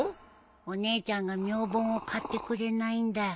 お姉ちゃんが『明凡』を買ってくれないんだよ。